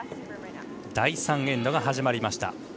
第３エンドが始まりました。